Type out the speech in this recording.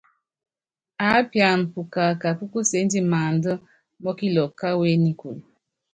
Aápiana pukaka púkuséndi maánda mɔkilɔkɔ káwú énikúlu.